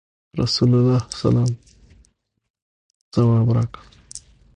رسول الله صلی الله علیه وسلم ځواب راکړ.